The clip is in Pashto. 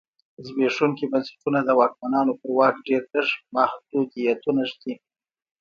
زبېښونکي بنسټونه د واکمنانو پر واک ډېر لږ محدودیتونه ږدي.